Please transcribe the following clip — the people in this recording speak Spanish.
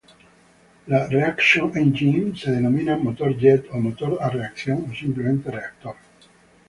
Los "reaction engines" se denominan motor jet, o motor a reacción o simplemente reactor.